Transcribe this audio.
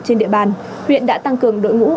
trên địa bàn huyện đã tăng cường đội ngũ